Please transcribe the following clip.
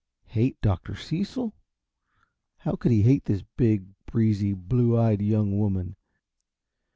Hate Dr. Cecil? How could he hate this big, breezy, blue eyed young woman?